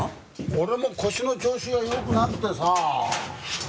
俺も腰の調子が良くなくてさ。